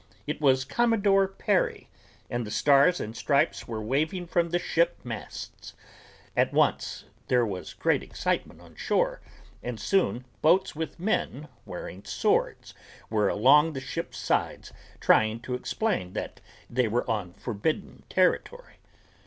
It was Commodore Perry and the stars and stripes were waving from the ship masts. At once there was great excitement on shore and soon boats with men wearing swords were along the ships' sides trying to explain that they were on forbidden territory.